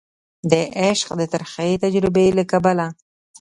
د عشق د ترخې تجربي له کبله